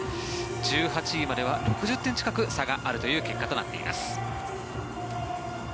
１８位までは６０点近く差があるという結果となっています。